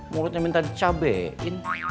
mulutnya minta dicabain